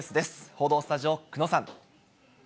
報道スタジオ、久野さん。